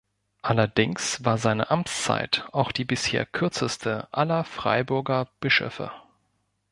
Allerdings war seine Amtszeit auch die bisher kürzeste aller Freiburger Bischöfe.